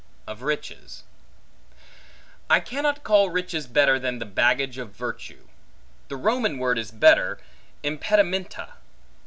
Of Riches I CANNOT call riches better than the baggage of virtue. The Roman word is better, impedimenta.